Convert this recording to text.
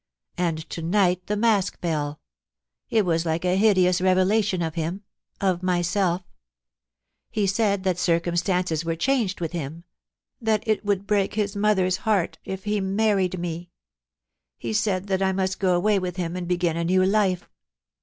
And to night the mask fell ; it was like a hideous revelation — of him, of myself He said that circumstances were changed with him— that it would break his mother^s heart if he married me. ... He said that I must go away with him and begin a new life.